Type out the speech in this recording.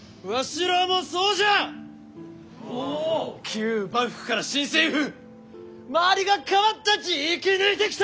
旧幕府から新政府周りが変わったち生き抜いてきた！